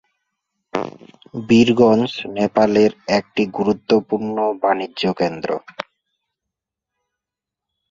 বীরগঞ্জ নেপালের একটি গুরুত্বপূর্ণ বাণিজ্য কেন্দ্র।